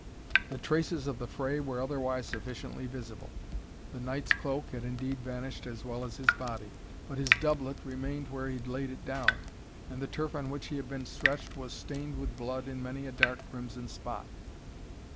The traces of the fray were otherwise sufficiently visible. The knight's cloak had indeed vanished as well as his body, but his doublet remained where he had laid it down, and the turf on which he had been stretched was stained with blood in many a dark crimson spot.